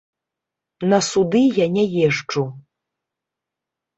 На суды я не езджу.